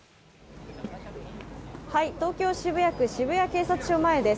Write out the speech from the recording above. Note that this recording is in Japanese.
東京・渋谷区渋谷警察署前です。